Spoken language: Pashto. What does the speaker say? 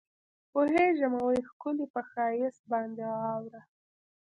پوهېږمه وي ښکلي پۀ ښائست باندې غاوره